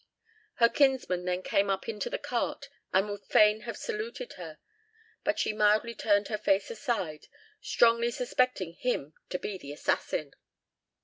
Her kinsman then came up into the cart, and would fain have saluted her; but she mildly turned her face aside, strongly suspecting him to be the assassin.